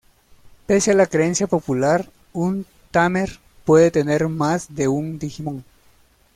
Pese a la creencia popular, un tamer puede tener más de un Digimon.